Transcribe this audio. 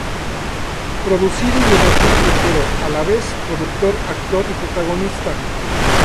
Producido y emergente pero, a la vez, productor, actor y protagonista".